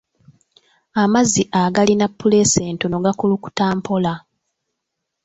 Amazzi agalina puleesa entono gakulukuta mpola.